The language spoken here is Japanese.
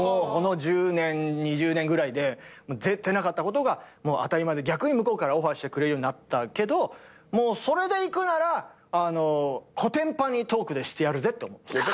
この１０年２０年ぐらいで絶対なかったことが当たり前逆に向こうからオファーしてくれるようになったけどもうそれでいくならこてんぱんにトークでしてやるぜって。